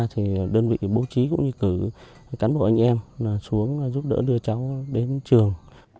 thì đơn vị bố trí cũng như cử cán bộ anh em xuống giúp đỡ đưa cháu đến trường